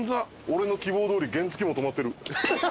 俺の希望どおり原付も止まってる。